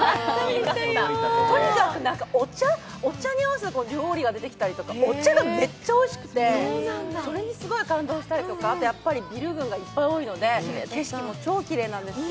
とにかくお茶に合わせて料理が出てきたりとかお茶がめっちゃおいしくて、それにすごい感動したりとか、あとは、やはりビル群が多いので、景色も超きれいなんですよ。